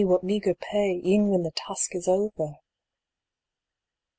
what meagre pay, e en when the task is over